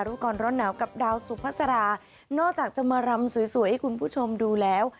รู้ก่อนร้อนหนาวกับดาวสุภาษานอกจากจะมารำสวยสวยให้คุณผู้ชมดูแล้ว